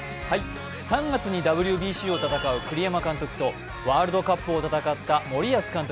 ３月にＷＢＣを戦う栗山監督と、ワールドカップを戦った森保監督。